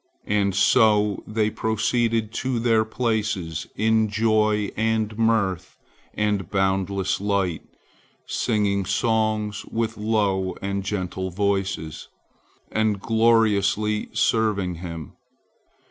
And so they proceeded to their places in joy and mirth and boundless light, singing songs with low and gentle voices, and gloriously serving Him.